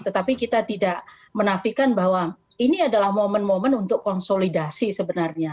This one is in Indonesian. tetapi kita tidak menafikan bahwa ini adalah momen momen untuk konsolidasi sebenarnya